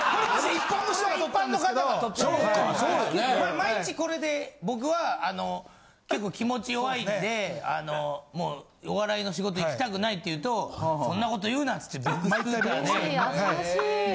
毎日これで僕は結構気持ち弱いんでもうお笑いの仕事行きたくないって言うとそんなこと言うなっつってビッグスクーターで。